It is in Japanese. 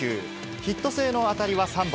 ヒット性の当たりは３本。